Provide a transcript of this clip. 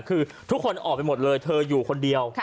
คือทุกคนออกไปหมดเลยเธออยู่คนเดียว